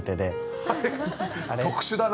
特殊だな！